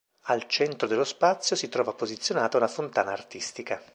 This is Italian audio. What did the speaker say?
Al centro dello spazio si trova posizionata una fontana artistica.